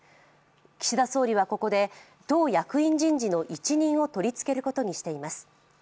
岸田総理はここで党役員人事の一任を取り付けることにしています。